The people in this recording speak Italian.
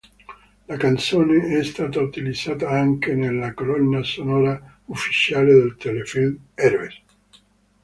La canzone è stata utilizzata anche nella colonna sonora ufficiale del telefilm "Heroes".